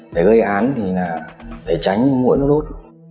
để gây án thì là để tránh mũi nó đốt